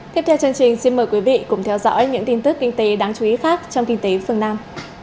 tiếp theo chương trình xin mời quý vị cùng theo dõi những tin tức kinh tế đáng chú ý khác trong kinh tế phương nam